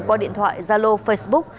qua điện thoại gia lô facebook